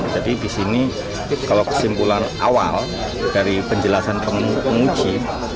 jadi disini kalau kesimpulan awal dari penjelasan penguji